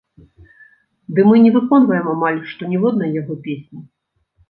Ды мы не выконваем амаль што ніводнай яго песні.